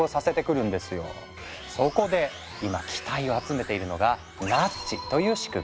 そこで今期待を集めているのがナッジという仕組み。